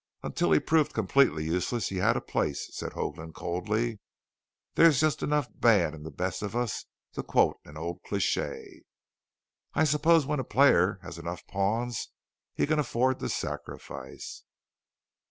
"Until he proved completely useless, he had a place," said Hoagland coldly. "There's just enough bad in the best of us, to quote an old cliche." "I suppose when a player has enough pawns he can afford to sacrifice."